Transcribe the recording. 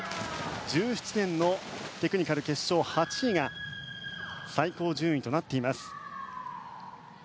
１７年のテクニカル決勝８位が最高順位となっています。